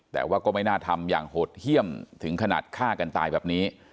แต่ว่าก็ไม่น่าทำอย่างโหดเยี่ยมถึงขนาดฆ่ากันตายแบบนี้